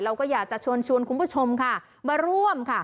เราก็อยากจะชวนคุณผู้ชมค่ะมาร่วมค่ะ